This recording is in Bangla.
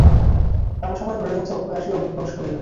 এমন সময় ঘরের মধ্যে অক্ষয় আসিয়া প্রবেশ করিলেন।